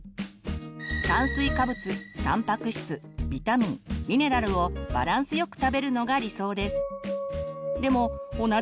炭水化物たんぱく質ビタミン・ミネラルをバランスよく食べるのが理想です。